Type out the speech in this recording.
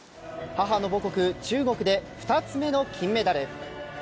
母の母国・中国で２つ目の金メダル。